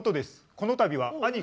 このたびは兄が」。